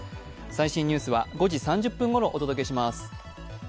最新ニュースは５時３０分ごろお届けします。